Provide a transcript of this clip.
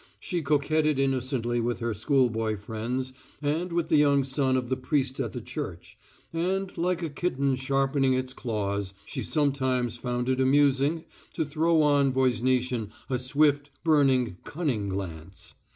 She coquetted innocently with her schoolboy friends and with the young son of the priest at the church, and, like a kitten sharpening its claws, she sometimes found it amusing to throw on Voznitsin a swift, burning, cunning glance.